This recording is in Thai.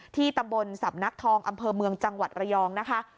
ที่ตำบลสำนักทองอำเภอเมืองจังหวัดระยองนะคะ